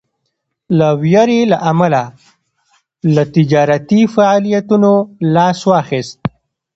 د ویرې له امله له تجارتي فعالیتونو لاس واخیست.